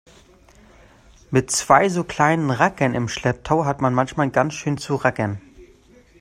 Mit zwei so kleinen Rackern im Schlepptau hat man manchmal ganz schön zu rackern.